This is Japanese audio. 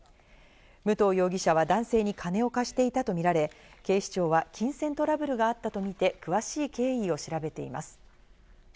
武藤容疑者は男性に金を貸していたとみられ、警視庁は金銭トラブルがあったとみて詳しい経緯を調べています。